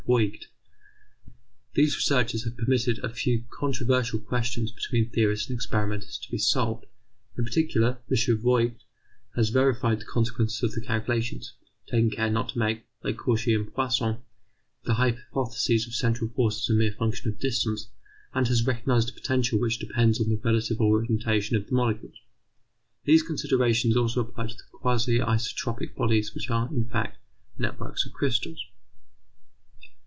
Voigt. These researches have permitted a few controversial questions between theorists and experimenters to be solved: in particular, M. Voigt has verified the consequences of the calculations, taking care not to make, like Cauchy and Poisson, the hypothesis of central forces a mere function of distance, and has recognized a potential which depends on the relative orientation of the molecules. These considerations also apply to quasi isotropic bodies which are, in fact, networks of crystals.